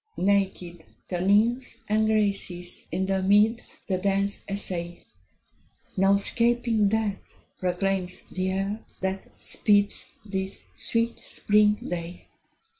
Naked the Nymphs and Graces in the meads The dance essay: "No 'scaping death" proclaims the year, that speeds This sweet spring day.